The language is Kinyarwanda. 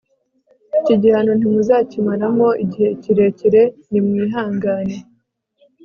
iki gihano ntimuzakimaramo igihe kirekire nimwihangane